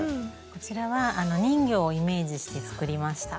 こちらは人魚をイメージして作りました。